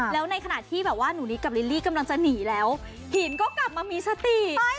แล้วในขณะที่แบบว่าหนูนิดกับลิลลี่กำลังจะหนีแล้วหินก็กลับมามีสติ